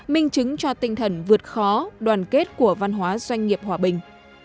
minh chứng cho tinh thần vượt khó đoàn kết của văn hóa doanh nghiệp hòa bình